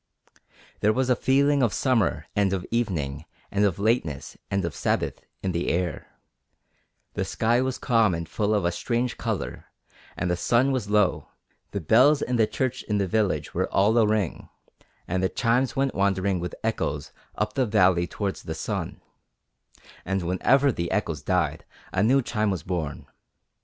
There was a feeling of summer and of evening and of lateness and of Sabbath in the air; the sky was calm and full of a strange colour, and the sun was low; the bells in the church in the village were all a ring, and the chimes went wandering with echoes up the valley towards the sun, and whenever the echoes died a new chime was born.